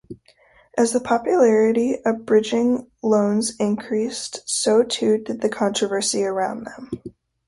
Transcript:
As the popularity of bridging loans increased, so too did the controversy around them.